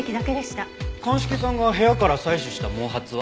鑑識さんが部屋から採取した毛髪は？